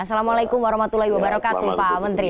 assalamualaikum warahmatullahi wabarakatuh pak menteri